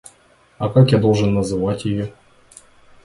А как я должен называть ее?